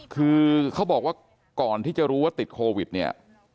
คือเขาบอกว่าก่อนที่จะรู้ว่าติดโควิดเนี่ย